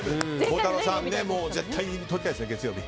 孝太郎さん、絶対にとりたいですね、月曜日。